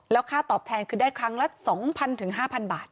แล้วค่าตอบแทนคือได้ครั้งละสองพันถึงห้าพันบาท